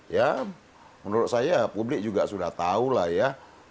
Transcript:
ya menurut saya publik juga sudah tahu lah ya